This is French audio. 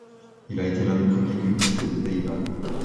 Il a été l'un des premiers cubistes des Pays-Bas.